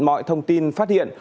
mọi thông tin phát hiện